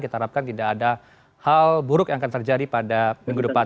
kita harapkan tidak ada hal buruk yang akan terjadi pada minggu depan